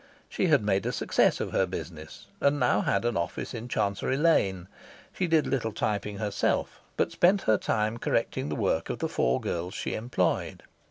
She had made a success of her business, and now had an office in Chancery Lane; she did little typing herself, but spent her time correcting the work of the four girls she employed.